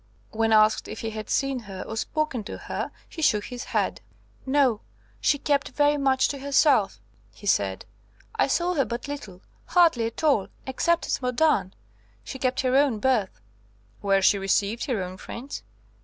When asked if he had seen her or spoken to her, he shook his head. "No; she kept very much to herself," he said. "I saw her but little, hardly at all, except at Modane. She kept her own berth." "Where she received her own friends?"